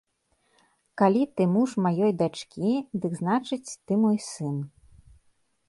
Калі ты муж маёй дачкі, дык, значыць, ты мой сын.